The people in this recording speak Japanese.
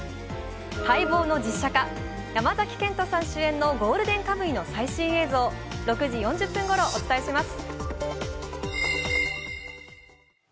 待望の実写化、山崎賢人さん主演の「ゴールデンカムイ」の最新映像、６時４０分ごろお届けします。